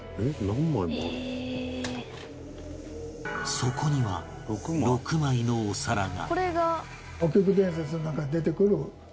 そこには６枚のお皿が